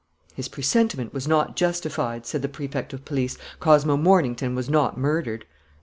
'" "His presentiment was not justified," said the Prefect of Police. "Cosmo Mornington was not murdered."